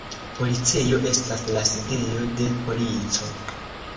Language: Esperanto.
Policejo estas la sidejo de polico.